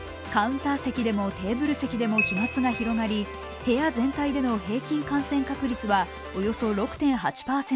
カウンター席でもテーブル席でも飛まつが広がり部屋全体での平均感染確率はおよそ６．８％。